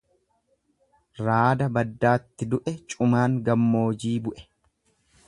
Raada baddaatti du'e cumaan gammoojii bu'e.